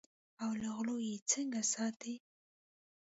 او له غلو یې څنګه ساتې.